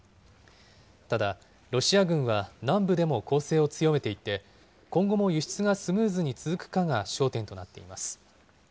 ただ、ロシア軍は南部でも攻勢を強めていて、今後も輸出がスムーズに続くかが焦点となっています。